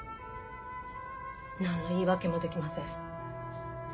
何の言い訳もできません。